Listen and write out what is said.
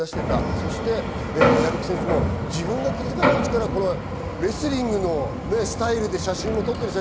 そして屋比久選手も自分が気づかないうちからレスリングのスタイルで写真を撮っている。